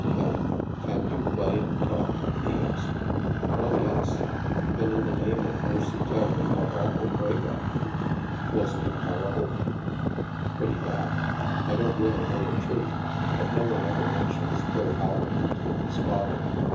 Then, " Can you play and talk? " he asked. " Oh, yes." " Then, in the name of mercy tell me what awful break I made. Wasn't it horrible ?" 46 THE MASK ." Pretty bad. I don't really know the truth, but no one ever mentions Phil Howland to his father.